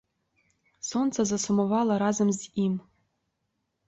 Сонца засумавала разам з ім.